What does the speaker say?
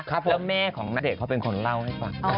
แล้วแม่ของณเดชนเขาเป็นคนเล่าให้ฟัง